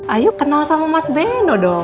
ayo kenal sama mas beno dong